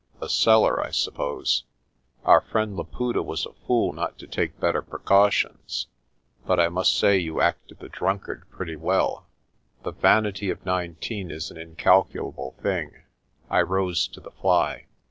A cellar, I suppose. Our friend Laputa was a fool not to take better precautions ; but I must say you acted the drunkard pretty well." The vanity of nineteen is an incalculable thing. I rose to the fly.